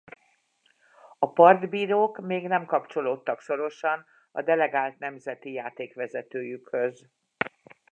A partbírók még nem kapcsolódtak szorosan a delegált nemzeti játékvezetőjükhöz.